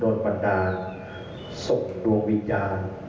โดดบันดาลส่งดวงวิญญาณ